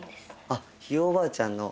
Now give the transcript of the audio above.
あっひいおばあちゃんの。